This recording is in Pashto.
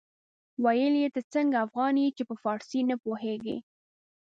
ويل يې ته څنګه افغان يې چې په فارسي نه پوهېږې.